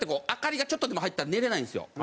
明かりがちょっとでも入ったら寝れないんですよ。